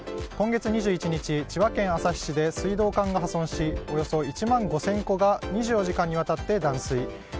今月２１日千葉県旭市で水道管が破損しおよそ１万５０００戸が２４時間にわたって断水。